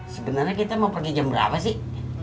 sebenarnya kita mau pergi jam berapa sih